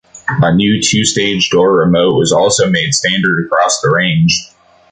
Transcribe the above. A new two-stage door remote was also made standard across the range.